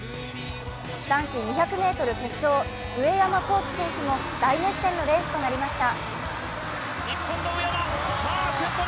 男子２００ｍ決勝、上山紘輝選手も大熱戦のレースとなりました。